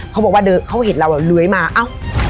เขาบอกว่าเดินเขาเห็นเราเลื้อยมา